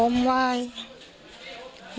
อมไหว้